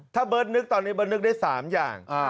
ถ้าเบิร์ตนึกตอนนี้เบิร์ตนึกได้๓อย่าง